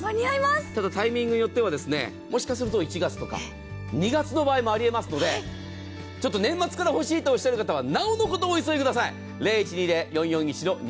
ただタイミングによってはもしかすると１月とか２月の場合もありえますので年末欲しいという方は、なおのことお急ぎください。